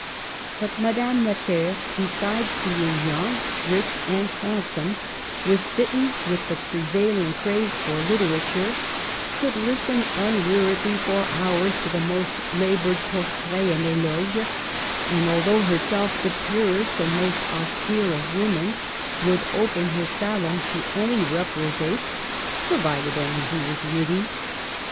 But Madame Necker, besides being young, rich and handsome, was bitten with the prevail ing craze for literature, could listen unwearedly for hours to the most labored portraits and doges, and, although herself the purest and most austere of women, would open her salon to any repro bate, provided only he were witty.